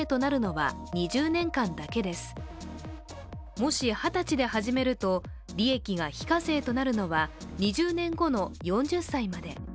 もし二十歳で始めると、利益が非課税となるのは２０年後の４０歳まで。